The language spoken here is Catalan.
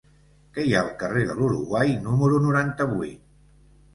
Què hi ha al carrer de l'Uruguai número noranta-vuit?